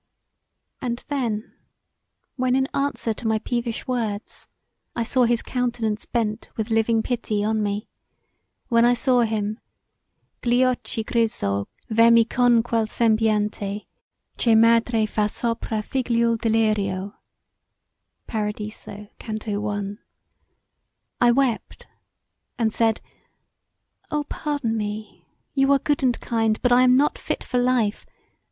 And then, when in answer to my peevish words, I saw his countenance bent with living pity on me[,] when I saw him Gli occhi drizzo ver me con quel sembiante Che madre fa sopra figlioul deliro P[a]radiso. C 1. I wept and said, "Oh, pardon me! You are good and kind but I am not fit for life.